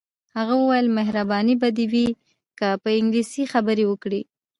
هغه وویل مهرباني به دې وي که په انګلیسي خبرې وکړې.